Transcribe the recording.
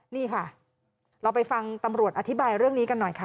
นี่ค่ะเราไปฟังตำรวจอธิบายเรื่องนี้กันหน่อยค่ะ